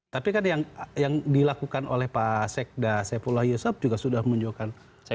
tapi kan yang dilakukan oleh pak sekda saipullah yusuf juga sudah menunjukkan